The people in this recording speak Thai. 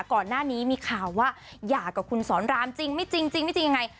ก่อนหน้านี้มีข่าวว่าหย่ากับคุณสอนรามจริงไม่จริงไม่จริงยังไง